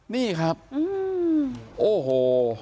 นี่ครับโอ้โห